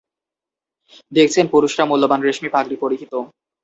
দেখছেন, পুরুষরা মূল্যবান রেশমী পাগড়ী পরিহিত।